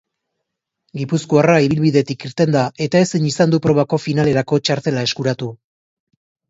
Gipuzkoarra ibilbidetik irten da, eta ezin izan du probako finalerako txartela eskuratu.